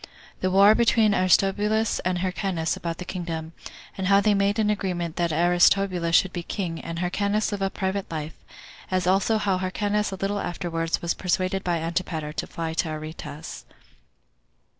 The War Between Aristobulus And Hyrcanus About The Kingdom; And How They Made Anagreement That Aristobulus Should Be King, And Hyrcanus Live A Private Life; As Also How Hyrcanus A Little Afterward Was Persuaded By Antipater To Fly To Aretas.